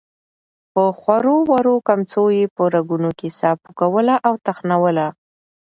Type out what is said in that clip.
په خورو ورو کمڅو يې په رګونو کې ساه پوکوله او تخنوله.